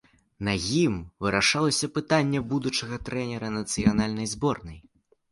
На ім вырашалася пытанне будучага трэнера нацыянальнай зборнай.